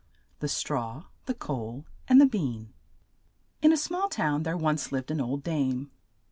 THE STRAW, THE COAL, AND THE BEAN IN a small town there once lived an old dame.